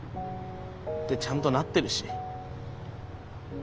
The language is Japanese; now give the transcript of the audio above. でちゃんとなってるし。